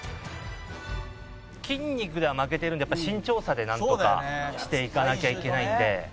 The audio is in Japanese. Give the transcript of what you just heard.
筋肉では負けてるのでやっぱ身長差でなんとかしていかなきゃいけないんで。